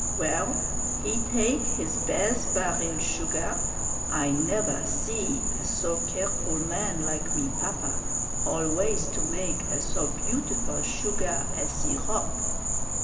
Well, he take his bez baril sugah I nevah see a so careful man like me papa always to make a so beautiful sugah et sirop.